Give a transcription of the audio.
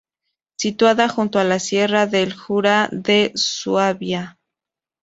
Situada junto a la sierra del Jura de Suabia.